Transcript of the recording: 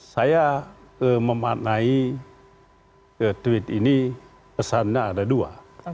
saya memaknai tweet ini pesannya ada dua